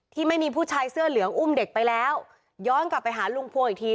ที่มีผู้ชายเสื้อเหลืองอุ้มเด็กไปแล้วย้อนกลับไปหาลุงพวงอีกที